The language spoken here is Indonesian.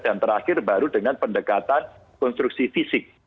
dan terakhir baru dengan pendekatan konstruksi fisik